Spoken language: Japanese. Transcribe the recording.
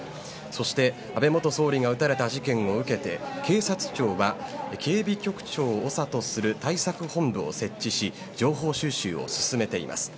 そして安倍元総理が撃たれた事件を受けて警察庁は、警備局長を長とする対策本部を設置し、情報収集を進めています。